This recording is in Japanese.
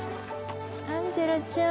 アンジェラちゃん。